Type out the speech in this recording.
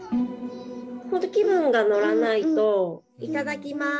ほんと気分が乗らないと「いただきます」